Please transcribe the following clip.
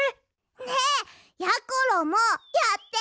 ねえやころもやって！